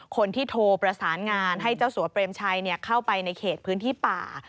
คนที่โทรประสานงานให้เจ้าสัวเปรมชัยเข้าไปในเขตพื้นที่ป่า